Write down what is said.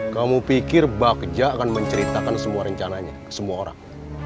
kamu pikir bakja akan menceritakan semua rencananya ke semua orang